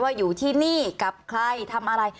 อยู่ที่นี่กับใครทำอะไร